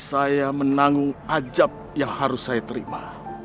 saya menanggung ajab yang harus saya terima